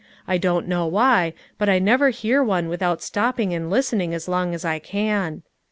I don't know why, but I never hear one without stopping and listen ing as long as I can."